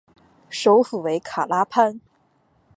首府为卡拉潘。